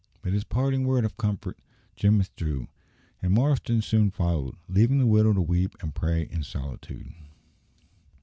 With this parting word of comfort, Jim withdrew, and Marston soon followed, leaving the widow to weep and pray in solitude.